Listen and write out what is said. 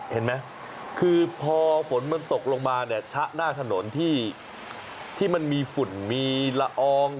เห็นไหมคือพอฝนมันตกลงมาเนี่ยชะหน้าถนนที่มันมีฝุ่นมีละออง